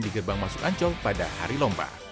di gerbang masuk ancol pada hari lomba